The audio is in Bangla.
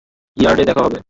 ইয়ার্ডে দেখা হবে।